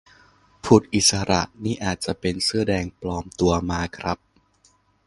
พุทธอิสระนี่อาจจะเป็นเสื้อแดงปลอมตัวมาครับ